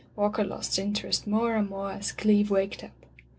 Walker lost interest more and more as Cleeve waked up.